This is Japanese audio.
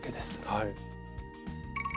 はい。